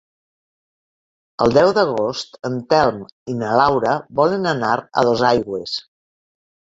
El deu d'agost en Telm i na Laura volen anar a Dosaigües.